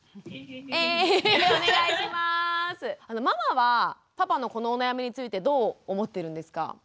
ママはパパのこのお悩みについてどう思ってるんですか？